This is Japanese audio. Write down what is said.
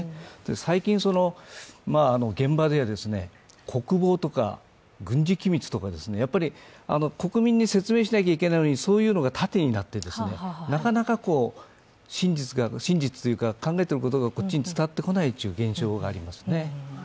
最近現場では、国防とか軍事機密とか、やっぱり国民に説明しなきゃいけないのに、そういうのが盾になって、なかなか真実というか、考えていることがこっちに伝わってこないという現象がありますね。